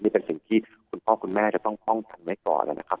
นี่เป็นสิ่งที่คุณพ่อคุณแม่จะต้องป้องกันไว้ก่อนนะครับ